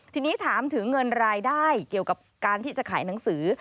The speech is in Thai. ทีนี้ถามถึงเงินรายได้เกี่ยวกับการที่จะขายหนังสือ